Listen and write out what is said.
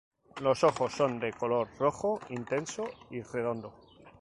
Los ojos son de color rojo intenso y redondo.